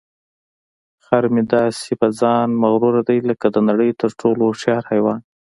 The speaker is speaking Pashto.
خر مې داسې په ځان مغروره دی لکه د نړۍ تر ټولو هوښیار حیوان.